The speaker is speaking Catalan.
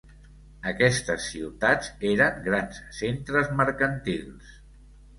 Aquestes ciutats eren grans centres mercantils.